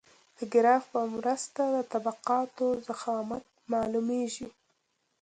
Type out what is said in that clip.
د ګراف په مرسته د طبقاتو ضخامت معلومیږي